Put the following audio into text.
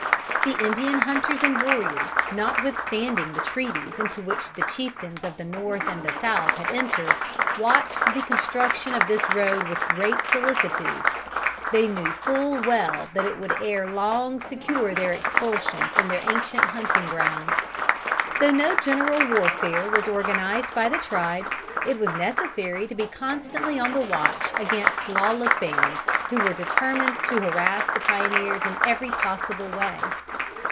The Indian hunters and warriors, notwithstanding the treaties into which the chieftains of the North and the South had entered, watched the construction of this road with great solicitude. They knew full well that it would ere long secure their expulsion from their ancient hunting grounds. Though no general warfare was organized by the tribes, it was necessary to be constantly on the watch against lawless bands, who were determined to harass the pioneers in every possible way.